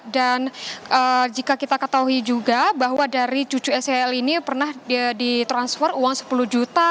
dan jika kita ketahui juga bahwa dari cucu sel ini pernah ditransfer uang sepuluh juta